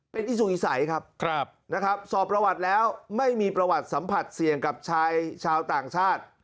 เป็นอีซูอิสัยครับนะครับสอบประวัติแล้วไม่มีประวัติสัมผัสเสี่ยงกับชายชาวต่างชาติ